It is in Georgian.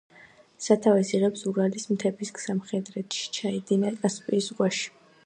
სათავეს იღებს ურალის მთების სამხრეთში და ჩაედინება კასპიის ზღვაში.